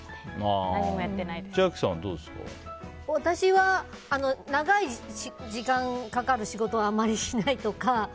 私は長い時間かかる仕事はあまりしないとか